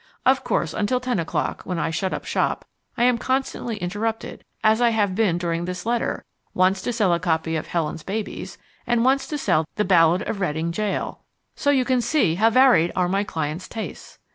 Of course until ten o'clock, when I shut up shop, I am constantly interrupted as I have been during this letter, once to sell a copy of Helen's Babies and once to sell The Ballad of Reading Gaol, so you can see how varied are my clients' tastes!